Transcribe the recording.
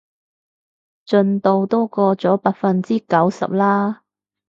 進度都過咗百分之九十啦